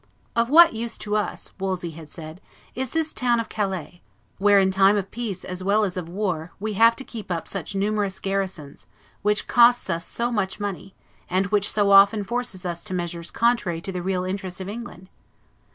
"Of what use to Us," Wolsey had said, "is this town of Calais, where in time of peace as well as of war we have to keep up such numerous garrisons, which costs us so much money, and which so often forces us to measures contrary to the real interests of England?"